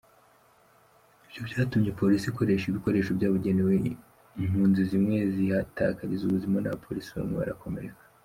Ibyo byatumye, Polisi ikoresha ibikoresho byabugenewe impunzi zimwe zihatakariza ubuzima n’abapolisi bamwe barakomereka.